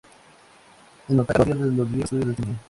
En nostalgia a los días de los "viejos", estudios de cine.